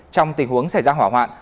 trong tình huống xảy ra hỏa hoạn